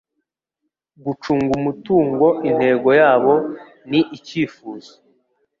Gucunga umutungo, Intego yabo ni icyifuzo;